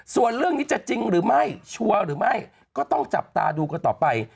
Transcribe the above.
ส่วนเรื่องนี้จะจริงหรือไม่ชัวร์หรือไม่ก็ต้องจับตาดูกันต่อไป